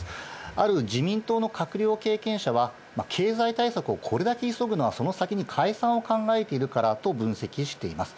ある自民党の閣僚経験者は、経済対策をこれだけ急ぐのは、その先に解散を考えているからと分析しています。